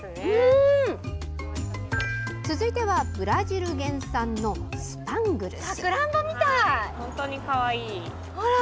続いては、ブラジル原産のスパングルス。